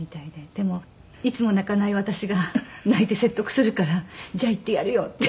でもいつも泣かない私が泣いて説得するから「じゃあ行ってやるよ」って。